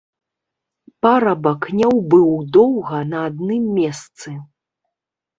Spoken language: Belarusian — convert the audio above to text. Парабак не ўбыў доўга на адным месцы.